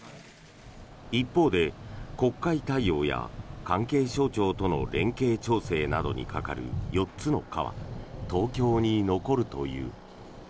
一方で国会対応や関係省庁との連携などに係る４つの課は東京に残るという。